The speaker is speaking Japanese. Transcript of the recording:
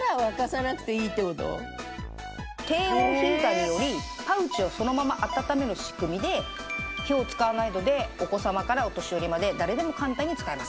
低温ヒーターによりパウチをそのまま温める仕組みで火を使わないのでお子様からお年寄りまで誰でも簡単に使えます。